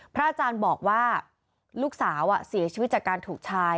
พระอาจารย์บอกว่าลูกสาวเสียชีวิตจากการถูกชาย